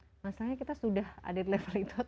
masalahnya kita sudah ada di level itu